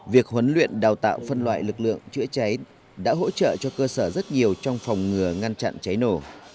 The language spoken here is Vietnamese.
việc huấn luyện đào tạo phân loại lực lượng chữa cháy đã hỗ trợ cho cơ sở rất nhiều trong phòng ngừa ngăn chặn cháy nổ